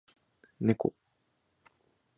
ねこ